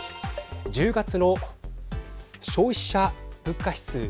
１０月の消費者物価指数。